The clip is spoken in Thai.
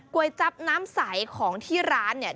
จับน้ำใสของที่ร้านเนี่ย